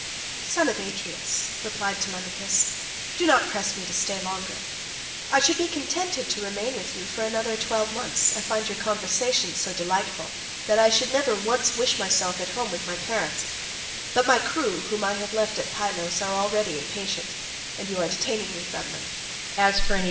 "Son of Atreus," replied Telemachus, "do not press me to stay longer; I should be contented to remain with you for another twelve months; I find your conversation so delightful that I should never once wish myself at home with my parents; but my crew whom I have left at Pylos are already impatient, and you are detaining me from them.